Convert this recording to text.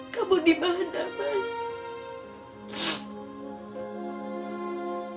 kamu dimana mas